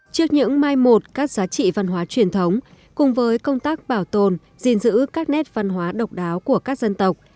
trước những mai một các giá trị văn hóa truyền thống cùng với công tác bảo tồn gìn giữ các nét văn hóa độc đáo của các dân tộc